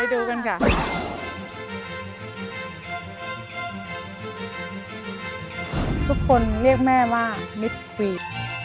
ทุกคนเรียกแม่ว่ามิตรกวีด